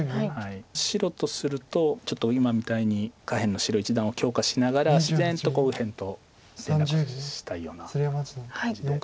白とするとちょっと今みたいに下辺の白一団を強化しながら自然と右辺と連絡したような感じで。